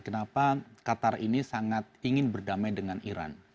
kenapa qatar ini sangat ingin berdamai dengan iran